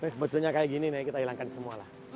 sebetulnya kayak gini nih kita hilangkan semua lah